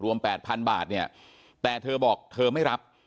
๘๐๐๐บาทเนี่ยแต่เธอบอกเธอไม่รับ